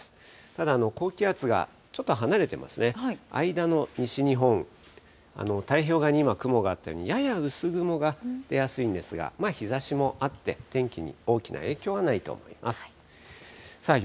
ただ、高気圧がちょっと離れてますね、間の西日本、太平洋側今雲があって、やや薄雲が出やすいんですが、日ざしもあって、天気に大きな影響はないと思います。